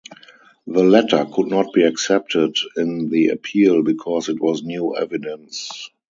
The letter could not be accepted in the appeal, because it was new evidence.